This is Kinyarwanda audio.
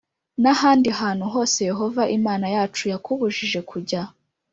n’ahandi hantu hose yehova imana yacu yakubujije kujya